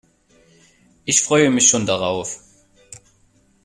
Ich freue mich schon darauf.